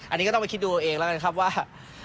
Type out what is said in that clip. อันนี้ก็ต้องไปคิดดูเอาเองแล้วกันครับว่า